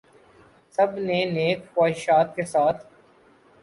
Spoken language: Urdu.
سب نے نیک خواہشات کے ساتھ